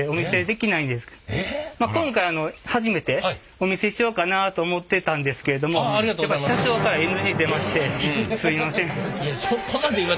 まあ今回あの初めてお見せしようかなと思ってたんですけれどもやっぱり社長からＮＧ出ましてすいません。